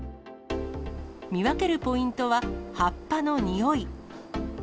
見分けるポイントは、葉っぱの臭い。